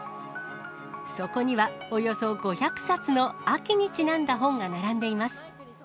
そこには、およそ５００冊の秋にちなんだ本が並んでいます。